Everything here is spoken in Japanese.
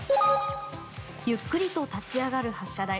ゆっくりと立ち上がる発射台。